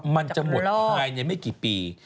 มันจะหมดภายในไม่กี่ปี